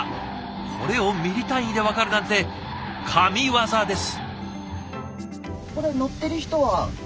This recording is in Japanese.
これをミリ単位で分かるなんて神業です。